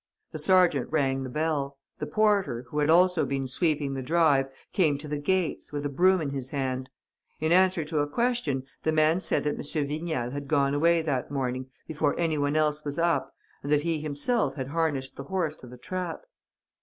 The sergeant rang the bell. The porter, who had also been sweeping the drive, came to the gates, with a broom in his hand. In answer to a question, the man said that M. Vignal had gone away that morning before anyone else was up and that he himself had harnessed the horse to the trap.